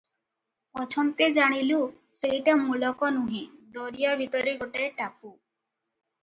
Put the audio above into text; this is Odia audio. ପଛନ୍ତେ ଜାଣିଲୁ, ସେଇଟା ମୁଲକ ନୁହେଁ, ଦରିଆ ଭିତରେ ଗୋଟାଏ ଟାପୁ ।